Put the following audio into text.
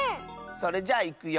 それじゃあいくよ。